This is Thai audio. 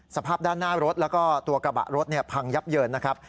สภาพด้านหน้ารถแล้วก็ตัวกระบะรถพังยับเยินนะครับ